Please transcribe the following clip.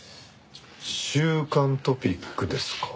『週刊トピック』ですか。